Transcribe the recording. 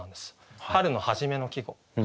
春の初めの季語。